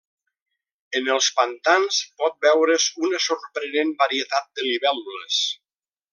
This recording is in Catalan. En els pantans pot veure's una sorprenent varietat de libèl·lules.